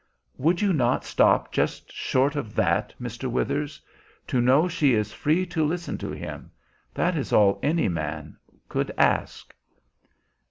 "Would you not stop just short of that, Mr. Withers? To know she is free to listen to him, that is all any man could ask."